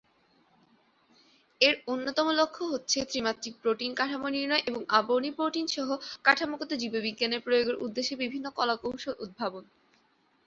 এর অন্যতম লক্ষ্য হচ্ছে ত্রিমাত্রিক প্রোটিন কাঠামো নির্ণয় এবং আবরণী প্রোটিন-সহ কাঠামোগত জীববিজ্ঞানে প্রয়োগের উদ্দেশ্যে বিভিন্ন কলাকৌশল উদ্ভাবন।